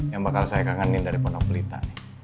yang bakal saya kangenin dari pondok pelita